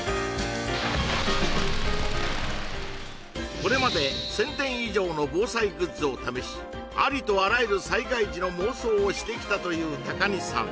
これまで１０００点以上の防災グッズを試しありとあらゆる災害時の妄想をしてきたという高荷さん